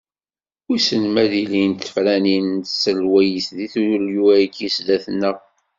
Wissen ma ad ilint tefranin n tselweyt di yulyu-agi zdat-neɣ.